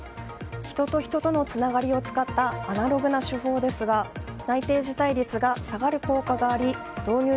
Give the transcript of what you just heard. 人と人とのつながりを使ったアナログな手法ですが内定辞退率が下がる効果があり導入